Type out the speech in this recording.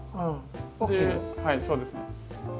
はいそうですね。